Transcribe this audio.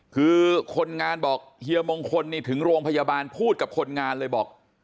คือคนงานบอกเฮียมงคลนี่ถึงโรงพยาบาลพูดกับคนงานเลยบอก